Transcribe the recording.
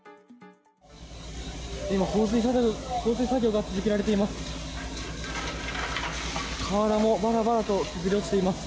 今、放水作業が続けられています。